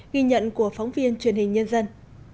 ghi nhận của phóng viên truyền hình nhân dân